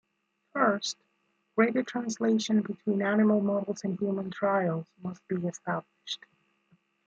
First, greater translation between animal models and human trials must be established.